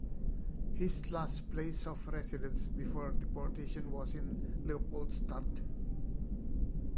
His last place of residence before deportation was in Leopoldstadt.